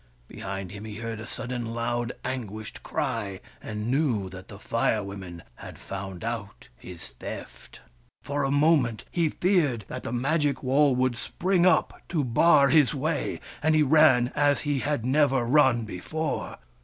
Behind him he heard a sudden loud anguished cry, and knew that the Fire Women had found out his theft. For a moment he feared that the magic wall would spring up to bar his way, and he ran as he had never run before.